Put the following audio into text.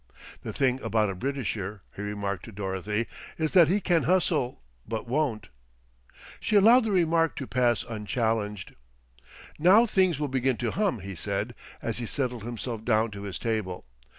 "The thing about a Britisher," he remarked to Dorothy, "is that he can hustle, but won't." She allowed the remark to pass unchallenged. "Now things will begin to hum," he said, as he settled himself down to his table.